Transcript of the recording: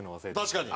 確かに。